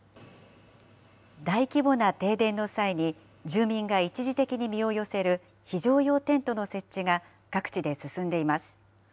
大規模な停電の際に、住民が一時的に身を寄せる、非常用テントの設置が、各地で進んでいます。